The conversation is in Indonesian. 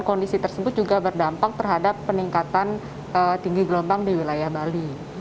kondisi tersebut juga berdampak terhadap peningkatan tinggi gelombang di wilayah bali